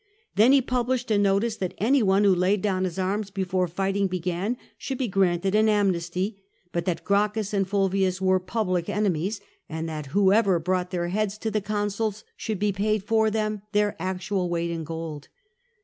Then he published a notice that any one who laid down his arms before fighting began should be granted an amnesty, but that Gracchus and Fulvius were public enemies, and that whoever brought their heads to the consuls should be paid for them their actual weight in gold.